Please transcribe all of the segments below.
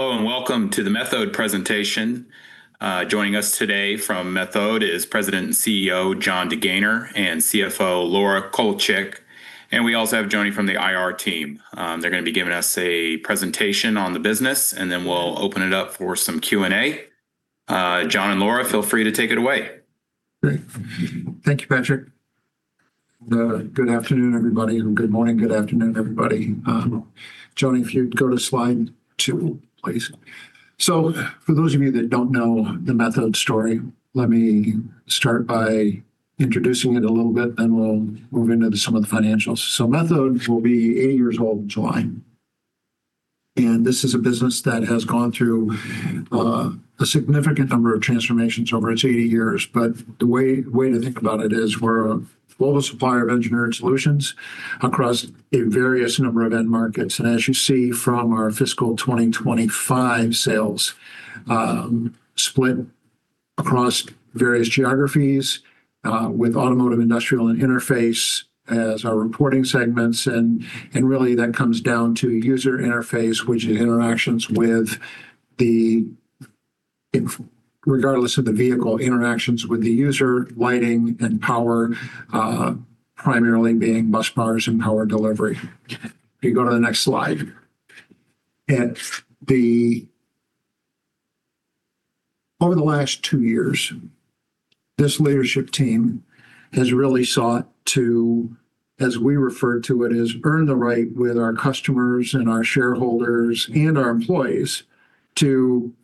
Hello and welcome to the Methode presentation. Joining us today from Methode is President and CEO, Jon DeGaynor, and CFO, Laura Kowalchik, and we also have Joni from the IR team. They're gonna be giving us a presentation on the business, and then we'll open it up for some Q&A. Jon and Laura, feel free to take it away. Great. Thank you, Patrick. Good afternoon, everybody, and good morning, good afternoon, everybody. Joni, if you'd go to slide 2, please. For those of you that don't know the Methode story, let me start by introducing it a little bit, then we'll move into some of the financials. Methode will be 80 years old in July, and this is a business that has gone through a significant number of transformations over its 80 years. The way to think about it is we're a global supplier of engineering solutions across a various number of end markets. As you see from our fiscal 2025 sales, split across various geographies, with Automotive, Industrial, and Interface as our reporting segments, and really that comes down to user interface, which interactions with the regardless of the vehicle, interactions with the user, lighting, and power, primarily being bus bars and power delivery. If you go to the next slide. Over the last two years, this leadership team has really sought to, as we refer to it, as earn the right with our customers and our shareholders and our employees to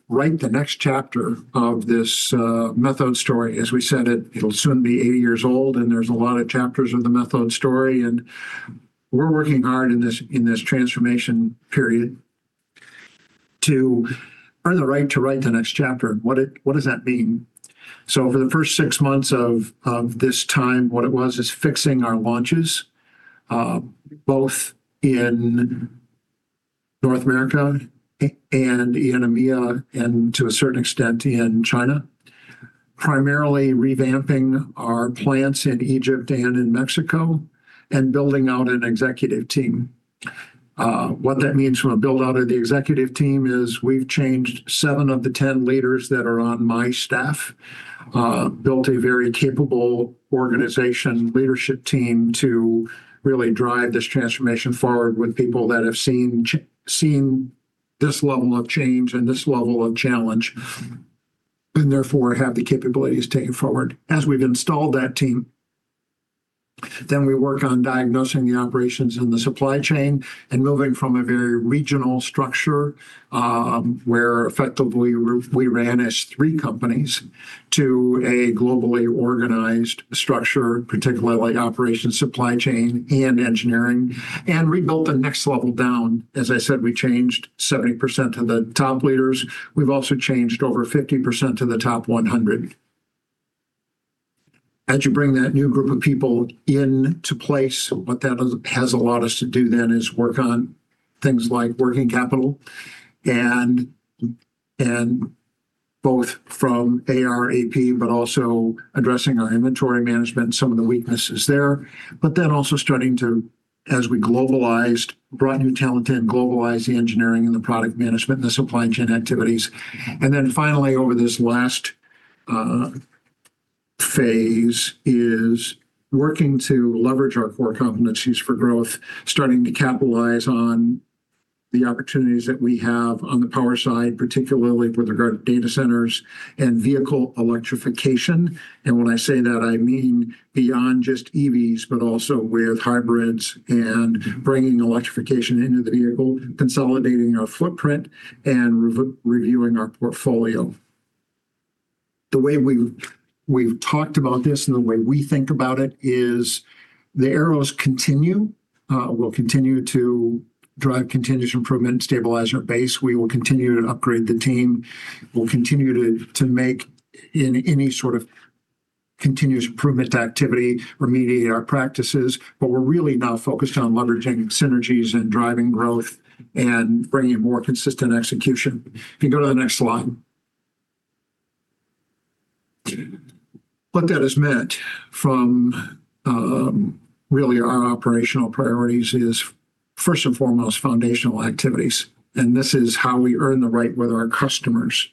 write the next chapter of this Methode story. As we said it'll soon be 80 years old, and there's a lot of chapters of the Methode story. We're working hard in this transformation period to earn the right to write the next chapter. What does that mean? Over the first six months of this time, what it was, is fixing our launches, both in North America and in EMEA, and to a certain extent, in China, primarily revamping our plants in Egypt and in Mexico and building out an executive team. What that means from a build-out of the executive team is we've changed seven of the 10 leaders that are on my staff, built a very capable organization leadership team to really drive this transformation forward with people that have seen this level of change and this level of challenge, and therefore have the capabilities to take it forward. As we've installed that team, then we work on diagnosing the operations in the supply chain and moving from a very regional structure, where effectively we ran as three companies, to a globally organized structure, particularly like operations, supply chain, and engineering, and rebuilt the next level down. As I said, we changed 70% of the top leaders. We've also changed over 50% of the top 100. As you bring that new group of people into place, what that has allowed us to do then is work on things like working capital and both from AR, AP, but also addressing our inventory management and some of the weaknesses there. Also starting to, as we globalized, brought new talent in, globalized the engineering and the product management and the supply chain activities. Finally over this last phase is working to leverage our core competencies for growth, starting to capitalize on the opportunities that we have on the power side, particularly with regard to data centers and vehicle electrification. When I say that, I mean beyond just EVs, but also with hybrids and bringing electrification into the vehicle, consolidating our footprint, and reviewing our portfolio. The way we've talked about this and the way we think about it is the arrows continue. We'll continue to drive continuous improvement and stabilize our base. We will continue to upgrade the team. We'll continue to make in any sort of continuous improvement activity, remediate our practices, but we're really now focused on leveraging synergies and driving growth and bringing more consistent execution. If you can go to the next slide. What that has meant from really our operational priorities is, first and foremost, foundational activities, and this is how we earn the right with our customers.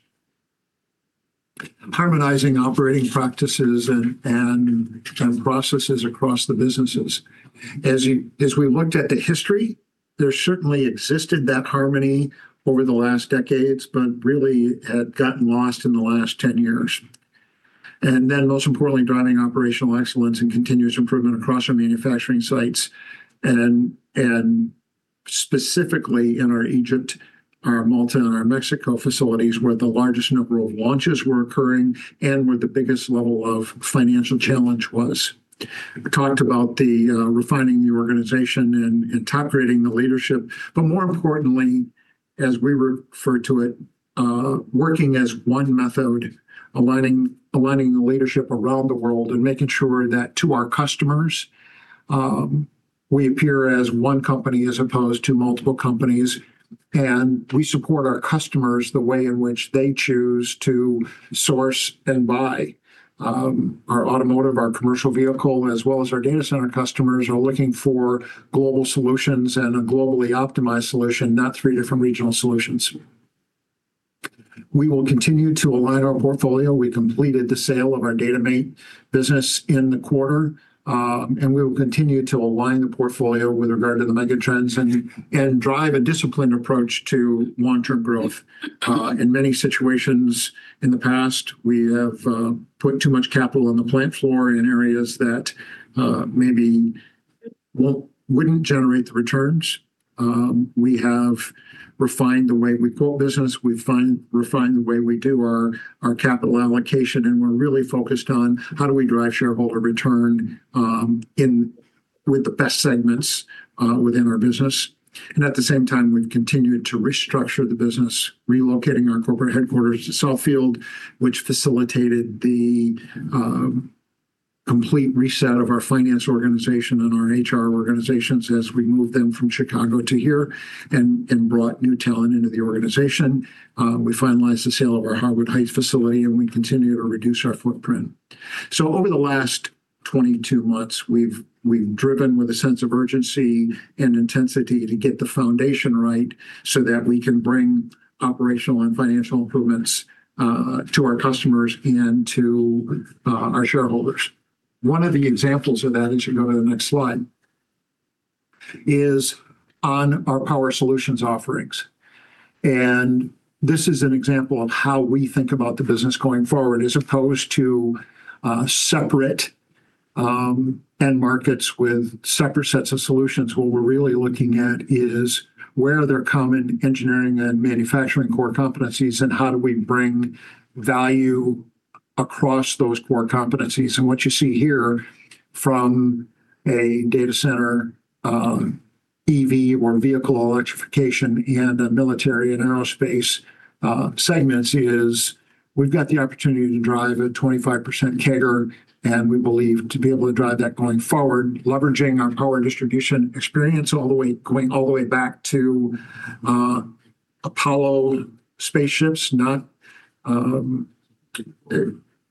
Harmonizing operating practices and processes across the businesses. As we looked at the history, there certainly existed that harmony over the last decades, but really had gotten lost in the last 10 years. Then most importantly, driving operational excellence and continuous improvement across our manufacturing sites, and specifically in our Egypt, our Malta, and our Mexico facilities, where the largest number of launches were occurring and where the biggest level of financial challenge was. We talked about the refining the organization and top-grading the leadership. More importantly, as we refer to it, working as one Methode, aligning the leadership around the world and making sure that to our customers, we appear as one company as opposed to multiple companies, and we support our customers the way in which they choose to source and buy. Our automotive, our commercial vehicle, as well as our data center customers are looking for global solutions and a globally optimized solution, not three different regional solutions. We will continue to align our portfolio. We completed the sale of our dataMate business in the quarter, and we will continue to align the portfolio with regard to the mega trends and drive a disciplined approach to long-term growth. In many situations in the past, we have put too much capital on the plant floor in areas that maybe wouldn't generate the returns. We have refined the way we pull business. We've refined the way we do our capital allocation, and we're really focused on how do we drive shareholder return with the best segments within our business. At the same time, we've continued to restructure the business, relocating our corporate headquarters to Southfield, which facilitated the complete reset of our finance organization and our HR organizations as we moved them from Chicago to here and brought new talent into the organization. We finalized the sale of our Harwood Heights facility, and we continue to reduce our footprint. Over the last 22 months, we've driven with a sense of urgency and intensity to get the foundation right so that we can bring operational and financial improvements to our customers and to our shareholders. One of the examples of that, as you go to the next slide, is on our power solutions offerings. This is an example of how we think about the business going forward, as opposed to separate end markets with separate sets of solutions. What we're really looking at is where there are common engineering and manufacturing core competencies, and how do we bring value across those core competencies. What you see here from a data center, EV or vehicle electrification and a military and aerospace segments is we've got the opportunity to drive a 25% CAGR, and we believe to be able to drive that going forward, leveraging our power distribution experience going all the way back to Apollo spaceships,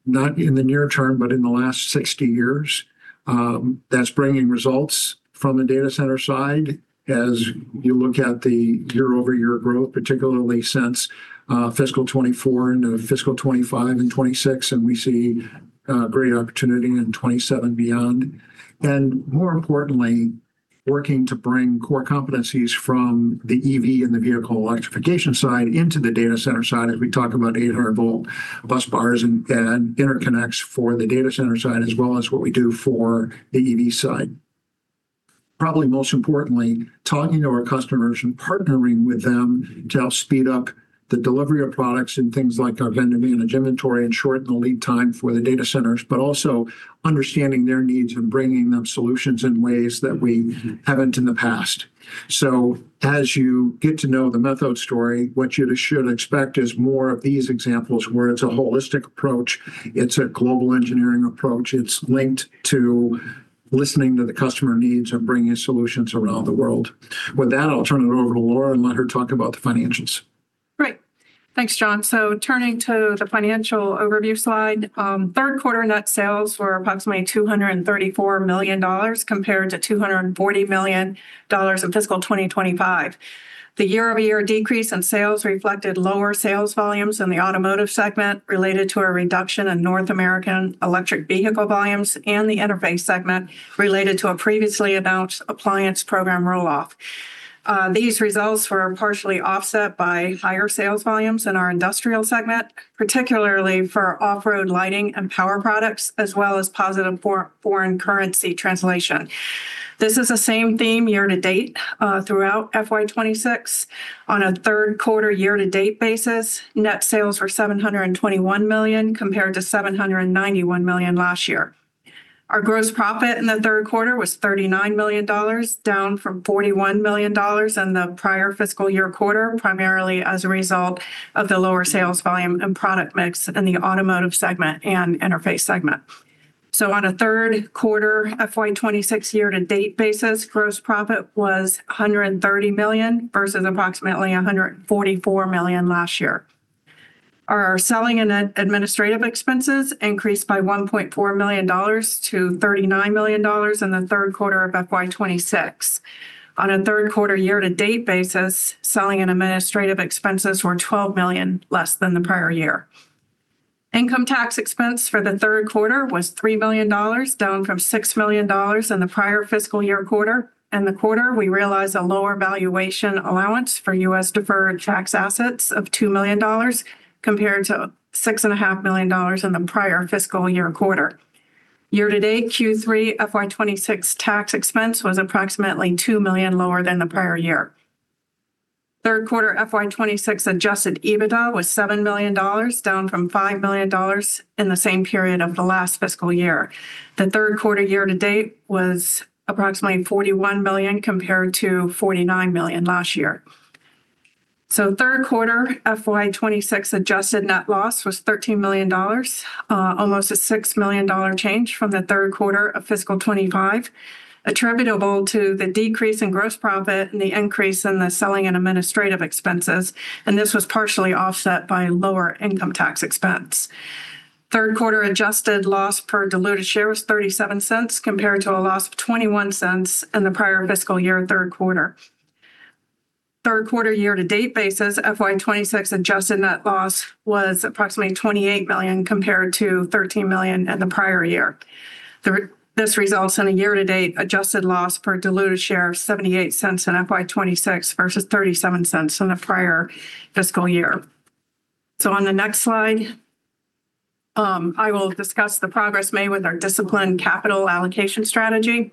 not in the near term, but in the last 60 years. That's bringing results from a data center side as you look at the year-over-year growth, particularly since fiscal 2024 into fiscal 2025 and fiscal 2026. We see great opportunity in 2027 beyond. More importantly, working to bring core competencies from the EV and the vehicle electrification side into the data center side as we talk about 800-volt bus bars and interconnects for the data center side, as well as what we do for the EV side. Probably most importantly, talking to our customers and partnering with them to help speed up the delivery of products and things like our vendor-managed inventory and shorten the lead time for the data centers, but also understanding their needs and bringing them solutions in ways that we haven't in the past. As you get to know the Methode story, what you should expect is more of these examples where it's a holistic approach, it's a global engineering approach, it's linked to listening to the customer needs and bringing solutions around the world. With that, I'll turn it over to Laura and let her talk about the financials. Great. Thanks, Jon. Turning to the financial overview slide, 3rd quarter net sales were approximately $234 million compared to $240 million in fiscal 2025. The year-over-year decrease in sales reflected lower sales volumes in the Automotive segment related to a reduction in North American electric vehicle volumes and the Interface segment related to a previously announced appliance program roll-off. These results were partially offset by higher sales volumes in our Industrial segment, particularly for off-road lighting and power products, as well as positive foreign currency translation. This is the same theme year-to-date throughout FY 2026. On a 3rd quarter year-to-date basis, net sales were $721 million compared to $791 million last year. Our gross profit in the 3rd quarter was $39 million, down from $41 million in the prior fiscal year quarter, primarily as a result of the lower sales volume and product mix in the automotive segment and interface segment. On a 3rd quarter FY 2026 year-to-date basis, gross profit was $130 million versus approximately $144 million last year. Our selling and administrative expenses increased by $1.4 million to $39 million in the 3rd quarter of FY 2026. On a 3rd quarter year-to-date basis, selling and administrative expenses were $12 million less than the prior year. Income tax expense for the 3rd quarter was $3 million, down from $6 million in the prior fiscal year quarter. In the quarter, we realized a lower valuation allowance for U.S. deferred tax assets of $2 million, compared to $6.5 million in the prior fiscal year and quarter. Year-to-date Q3 FY 2026 tax expense was approximately $2 million lower than the prior year. 3rd quarter FY 2026 adjusted EBITDA was $7 million, down from $5 million in the same period of the last fiscal year. The 3rd quarter year-to-date was approximately $41 million compared to $49 million last year. 3rd quarter FY 2026 adjusted net loss was $13 million, almost a $6 million change from the 3rd quarter of fiscal 2025, attributable to the decrease in gross profit and the increase in the selling and administrative expenses, and this was partially offset by lower income tax expense. 3rd quarter adjusted loss per diluted share was $0.37 compared to a loss of $0.21 in the prior fiscal year 3rd quarter. 3rd quarter year-to-date basis, FY 2026 adjusted net loss was approximately $28 million compared to $13 million in the prior year. This results in a year-to-date adjusted loss per diluted share of $0.78 in FY 2026 versus $0.37 in the prior fiscal year. On the next slide, I will discuss the progress made with our disciplined capital allocation strategy.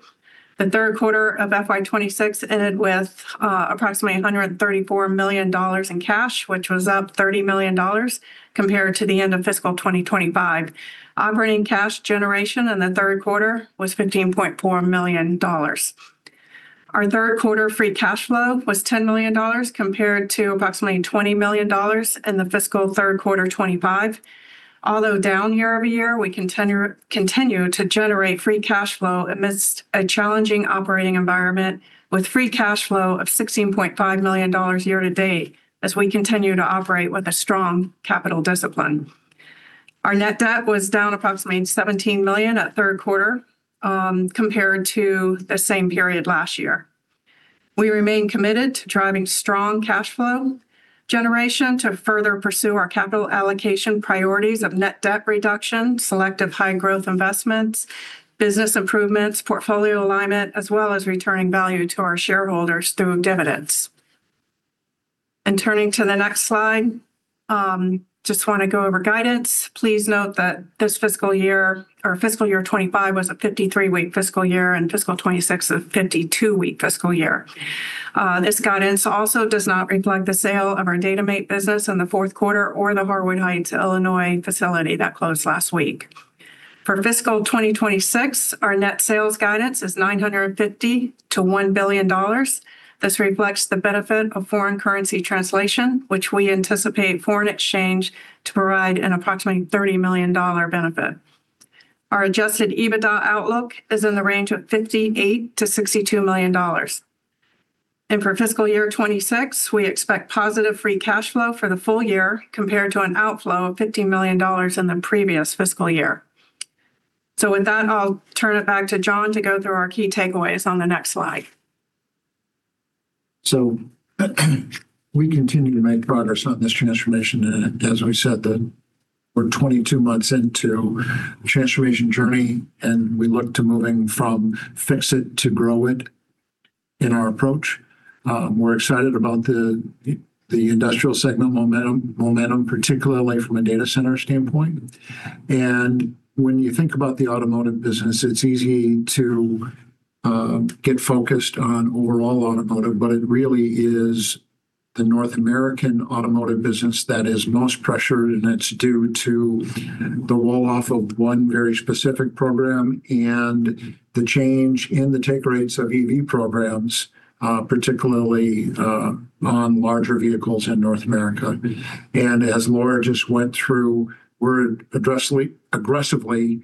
The 3rd quarter of FY 2026 ended with approximately $134 million in cash, which was up $30 million compared to the end of fiscal 2025. Operating cash generation in the 3rd quarter was $15.4 million. Our 3rd quarter free cash flow was $10 million compared to approximately $20 million in the fiscal 3rd quarter 2025. Although down year-over-year, we continue to generate free cash flow amidst a challenging operating environment with free cash flow of $16.5 million year to date as we continue to operate with a strong capital discipline. Our net debt was down approximately $17 million at 3rd quarter compared to the same period last year. We remain committed to driving strong cash flow generation to further pursue our capital allocation priorities of net debt reduction, selective high growth investments, business improvements, portfolio alignment, as well as returning value to our shareholders through dividends. Turning to the next slide, just wanna go over guidance. Please note that this fiscal year or fiscal year 2025 was a 53-week fiscal year and fiscal 2026 a 52-week fiscal year. This guidance also does not reflect the sale of our dataMate business in the fourth quarter or the Harwood Heights, Illinois facility that closed last week. For fiscal 2026, our net sales guidance is $950 million-$1 billion. This reflects the benefit of foreign currency translation, which we anticipate foreign exchange to provide an approximately $30 million benefit. Our adjusted EBITDA outlook is in the range of $58 million-$62 million. For fiscal year 2026, we expect positive free cash flow for the full year compared to an outflow of $15 million in the previous fiscal year. With that, I'll turn it back to Jon to go through our key takeaways on the next slide. We continue to make progress on this transformation. As we said that we're 22 months into the transformation journey, and we look to moving from fix it to grow it in our approach. We're excited about the industrial segment momentum, particularly from a data center standpoint. When you think about the automotive business, it's easy to get focused on overall automotive, but it really is the North American automotive business that is most pressured, and it's due to the roll-off of one very specific program and the change in the take rates of EV programs, particularly on larger vehicles in North America. As Laura just went through, we're aggressively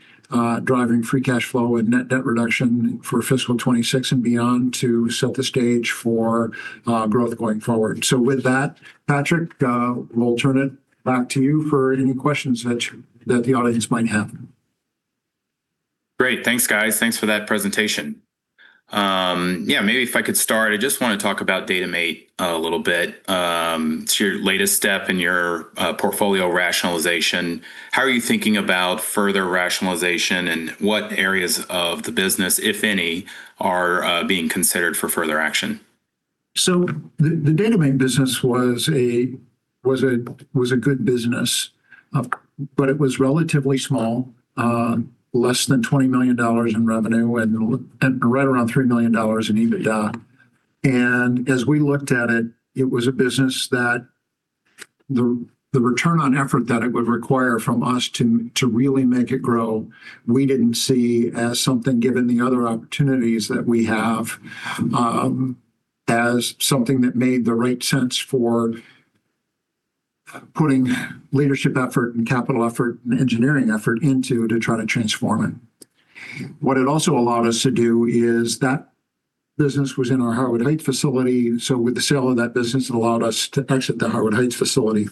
driving free cash flow and net debt reduction for fiscal 2026 and beyond to set the stage for growth going forward. With that, Patrick, we'll turn it back to you for any questions that the audience might have. Great. Thanks, guys. Thanks for that presentation. Yeah, maybe if I could start, I just wanna talk about dataMate a little bit. It's your latest step in your portfolio rationalization. How are you thinking about further rationalization, and what areas of the business, if any, are being considered for further action? The dataMate business was a good business, but it was relatively small, less than $20 million in revenue and right around $3 million in EBITDA. As we looked at it was a business that the return on effort that it would require from us to really make it grow, we didn't see as something, given the other opportunities that we have, as something that made the right sense for putting leadership effort and capital effort and engineering effort into to try to transform it. What it also allowed us to do is that business was in our Harwood Heights facility, so with the sale of that business, it allowed us to exit the Harwood Heights facility.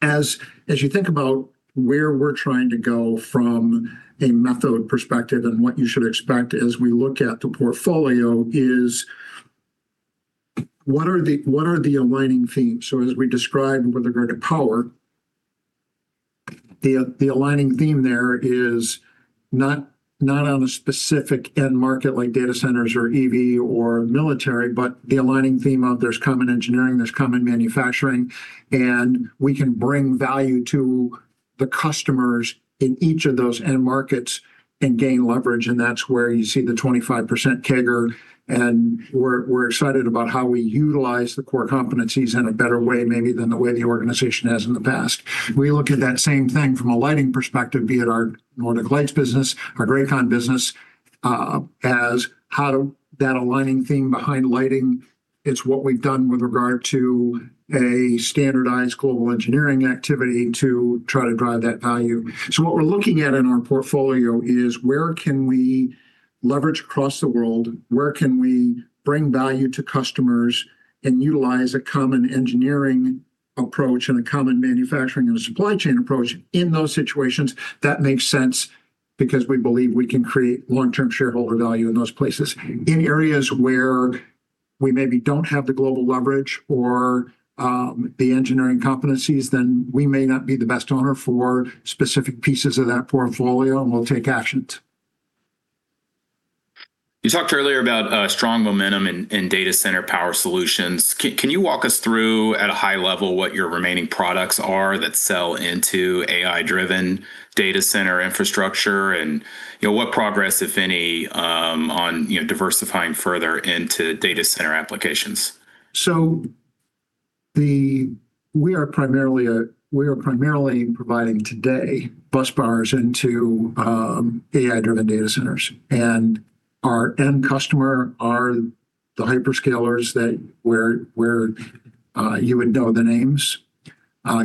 As you think about where we're trying to go from a Methode perspective and what you should expect as we look at the portfolio is what are the aligning themes? As we described with regard to power, the aligning theme there is not on a specific end market like data centers or EV or military, but the aligning theme of there's common engineering, there's common manufacturing, and we can bring value to the customers in each of those end markets and gain leverage, and that's where you see the 25% CAGR. We're excited about how we utilize the core competencies in a better way maybe than the way the organization has in the past. We look at that same thing from a lighting perspective, be it our Nordic Lights business, our Grakon business, as how do that aligning theme behind lighting, it's what we've done with regard to a standardized global engineering activity to try to drive that value. What we're looking at in our portfolio is where can we leverage across the world? Where can we bring value to customers and utilize a common engineering approach and a common manufacturing and supply chain approach in those situations that makes sense. Because we believe we can create long-term shareholder value in those places. In areas where we maybe don't have the global leverage or the engineering competencies, then we may not be the best owner for specific pieces of that portfolio, and we'll take action. You talked earlier about strong momentum in data center power solutions. Can you walk us through at a high level what your remaining products are that sell into AI-driven data center infrastructure? You know, what progress, if any, on, you know, diversifying further into data center applications? We are primarily providing today busbars into AI-driven data centers. Our end customer are the hyperscalers you would know the names.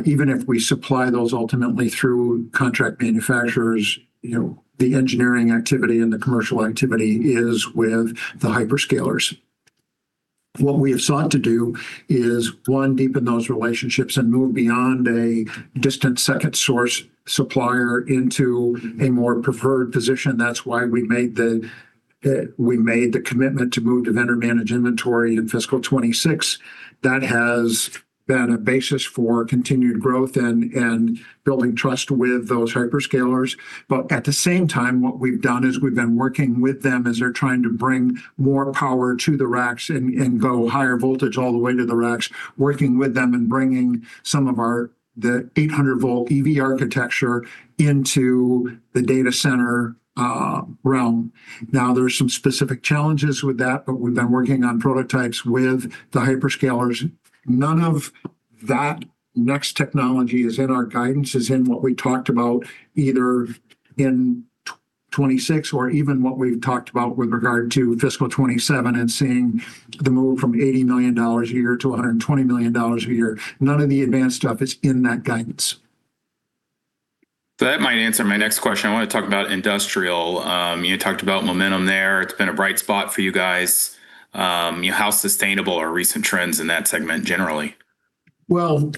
Even if we supply those ultimately through contract manufacturers, you know, the engineering activity and the commercial activity is with the hyperscalers. What we have sought to do is, one, deepen those relationships and move beyond a distant second source supplier into a more preferred position. That's why we made the commitment to move to vendor-managed inventory in fiscal 2026. That has been a basis for continued growth and building trust with those hyperscalers. At the same time, what we've done is we've been working with them as they're trying to bring more power to the racks and go higher voltage all the way to the racks, working with them and bringing some of our the 800 volt EV architecture into the data center realm. Now, there are some specific challenges with that, but we've been working on prototypes with the hyperscalers. None of that next technology is in our guidance is in what we talked about, either in 2026 or even what we've talked about with regard to fiscal 2027 and seeing the move from $80 million a year to $120 million a year. None of the advanced stuff is in that guidance. That might answer my next question. I want to talk about industrial. You talked about momentum there. It's been a bright spot for you guys. You know, how sustainable are recent trends in that segment generally? Well,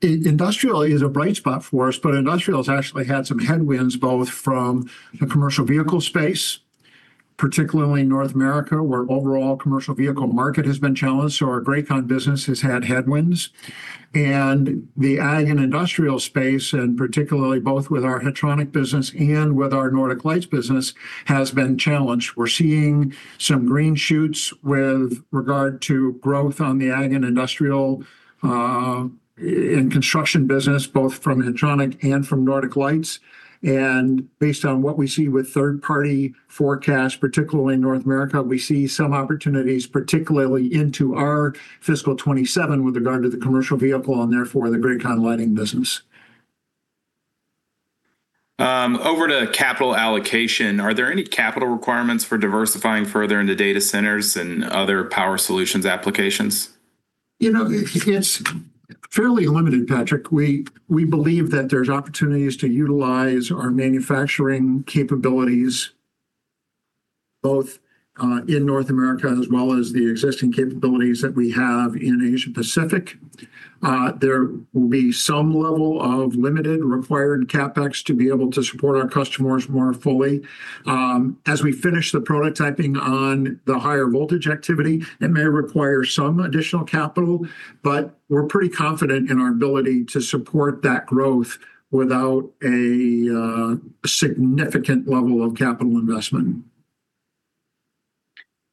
industrial is a bright spot for us, but industrial's actually had some headwinds, both from the commercial vehicle space, particularly North America, where overall commercial vehicle market has been challenged. Our Grakon business has had headwinds. The ag and industrial space, and particularly both with our Hetronic business and with our Nordic Lights business, has been challenged. We're seeing some green shoots with regard to growth on the ag and industrial in construction business, both from Hetronic and from Nordic Lights. Based on what we see with third-party forecasts, particularly in North America, we see some opportunities, particularly into our fiscal 2027 with regard to the commercial vehicle and therefore the Grakon Lighting business. Over to capital allocation, are there any capital requirements for diversifying further into data centers and other power solutions applications? You know, it's fairly limited, Patrick. We believe that there's opportunities to utilize our manufacturing capabilities both in North America as well as the existing capabilities that we have in Asia Pacific. There will be some level of limited required CapEx to be able to support our customers more fully. As we finish the prototyping on the higher voltage activity, it may require some additional capital, but we're pretty confident in our ability to support that growth without a significant level of capital investment.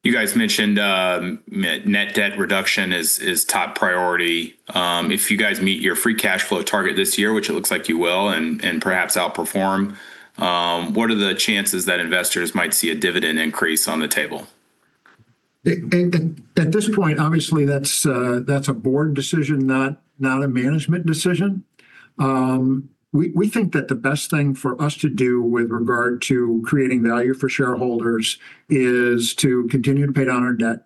You guys mentioned, net debt reduction is top priority. If you guys meet your free cash flow target this year, which it looks like you will and perhaps outperform, what are the chances that investors might see a dividend increase on the table? At this point, obviously, that's a board decision, not a management decision. We think that the best thing for us to do with regard to creating value for shareholders is to continue to pay down our debt,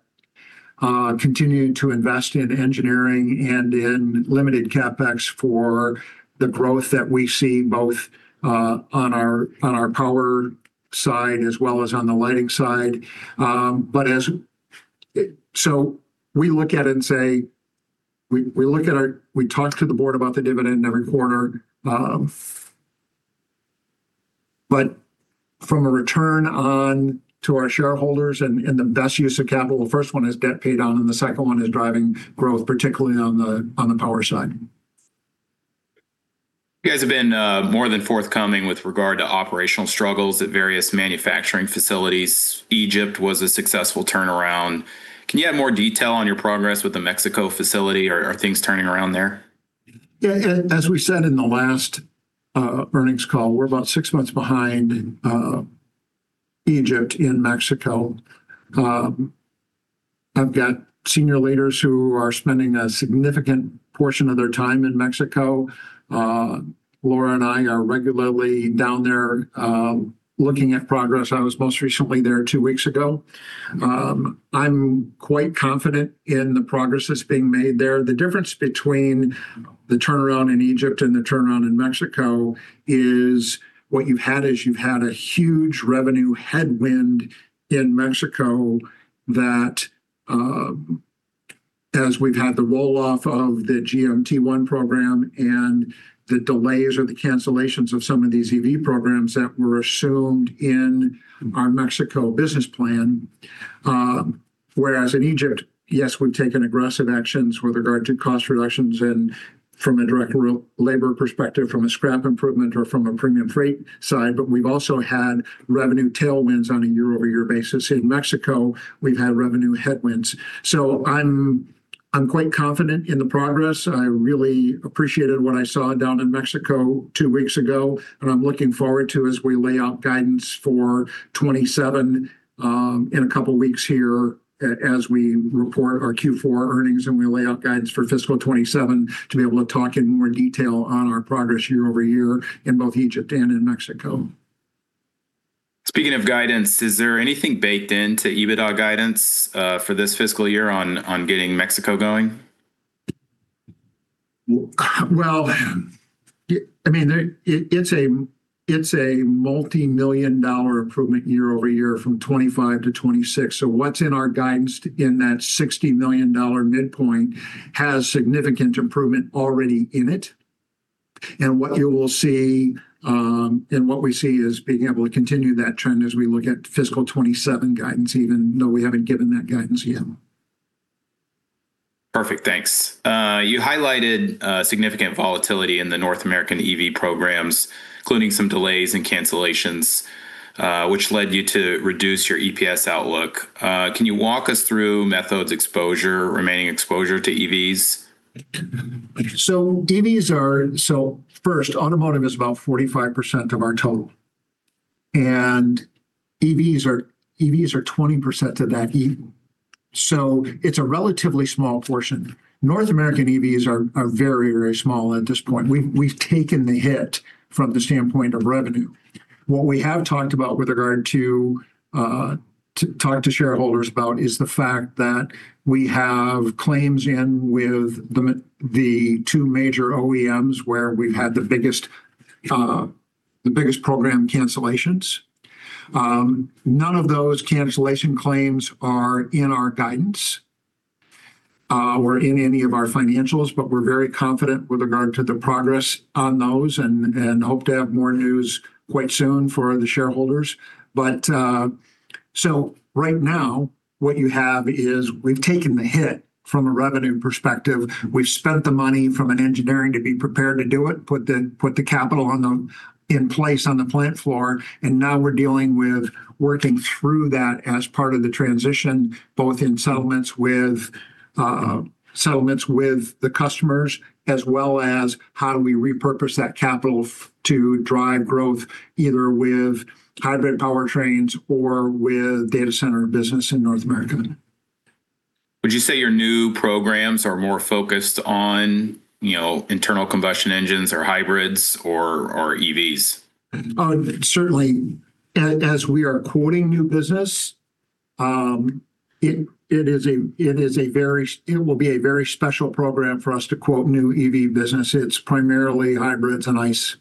continue to invest in engineering and in limited CapEx for the growth that we see both on our power side as well as on the lighting side. We look at it and say, we talk to the board about the dividend every quarter. From a return on to our shareholders and the best use of capital, the first one is debt paid down, and the second one is driving growth, particularly on the power side. You guys have been more than forthcoming with regard to operational struggles at various manufacturing facilities. Egypt was a successful turnaround. Can you add more detail on your progress with the Mexico facility? Are things turning around there? Yeah. As we said in the last earnings call, we're about six months behind Egypt in Mexico. I've got senior leaders who are spending a significant portion of their time in Mexico. Laura and I are regularly down there looking at progress. I was most recently there two weeks ago. I'm quite confident in the progress that's being made there. The difference between the turnaround in Egypt and the turnaround in Mexico is what you've had is you've had a huge revenue headwind in Mexico that, as we've had the roll-off of the GMT T1XX program and the delays or the cancellations of some of these EV programs that were assumed in our Mexico business plan. Whereas in Egypt, yes, we've taken aggressive actions with regard to cost reductions and from a direct labor perspective, from a scrap improvement or from a premium freight side, but we've also had revenue tailwinds on a year-over-year basis. In Mexico, we've had revenue headwinds. I'm quite confident in the progress. I really appreciated what I saw down in Mexico two weeks ago, and I'm looking forward to as we lay out guidance for 2027 in a couple of weeks here as we report our Q4 earnings and we lay out guidance for fiscal 2027 to be able to talk in more detail on our progress year-over-year in both Egypt and in Mexico. Speaking of guidance, is there anything baked into EBITDA guidance, for this fiscal year on getting Mexico going? Well, I mean, it's a multi-million dollar improvement year-over-year from 2025-2026. What's in our guidance in that $60 million midpoint has significant improvement already in it. What you will see, and what we see is being able to continue that trend as we look at fiscal 2027 guidance, even though we haven't given that guidance yet. Perfect. Thanks. You highlighted, significant volatility in the North American EV programs, including some delays and cancellations, which led you to reduce your EPS outlook. Can you walk us through Methode's exposure, remaining exposure to EVs? Automotive is about 45% of our total, and EVs are 20% of that even. It's a relatively small portion. North American EVs are very, very small at this point. We've taken the hit from the standpoint of revenue. What we have talked about with regard to talk to shareholders about is the fact that we have claims in with the two major OEMs where we've had the biggest program cancellations. None of those cancellation claims are in our guidance or in any of our financials, but we're very confident with regard to the progress on those and hope to have more news quite soon for the shareholders. Right now, what you have is we've taken the hit from a revenue perspective. We've spent the money from an engineering to be prepared to do it, put the capital in place on the plant floor, and now we're dealing with working through that as part of the transition, both in settlements with settlements with the customers, as well as how do we repurpose that capital to drive growth either with hybrid powertrains or with data center business in North America. Would you say your new programs are more focused on, you know, internal combustion engines or hybrids or EVs? Certainly. As we are quoting new business, it will be a very special program for us to quote new EV business. It's primarily hybrids and ICE.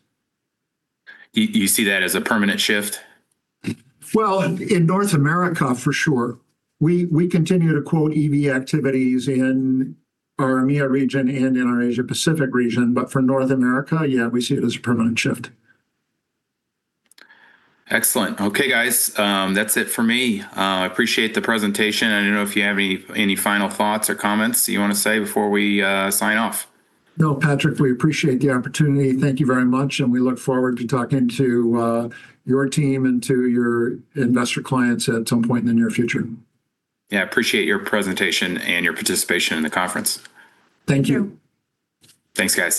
Do you see that as a permanent shift? Well, in North America, for sure. We continue to quote EV activities in our EMEA region and in our Asia Pacific region. For North America, yeah, we see it as a permanent shift. Excellent. Okay, guys, that's it for me. I appreciate the presentation. I don't know if you have any final thoughts or comments you want to say before we sign off. No, Patrick, we appreciate the opportunity. Thank you very much, and we look forward to talking to your team and to your investor clients at some point in the near future. Yeah. I appreciate your presentation and your participation in the conference. Thank you. Thanks, guys.